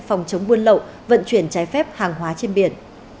phòng chống buôn lậu vận chuyển trái phép hàng hóa trên biển